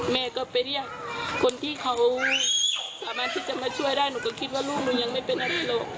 แม่ก็ไปเรียกคนที่เขาสามารถที่จะมาช่วยได้หนูก็คิดว่าลูกหนูยังไม่เป็นอะไรหรอก